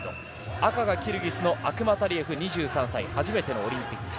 赤がキルギスのアクマタリエフ２２歳初めてのオリンピック。